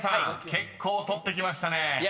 結構取ってきましたね］